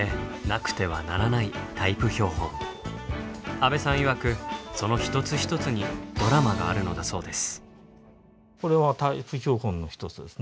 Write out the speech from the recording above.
阿部さんいわくその一つ一つにドラマがあるのだそうです。